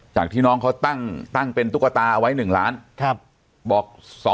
จากที่น้องเค้าตั้งเป็นตุ๊กตาไว้๑๐๐๐๐๐๐บอก๒๐๐๐๐๐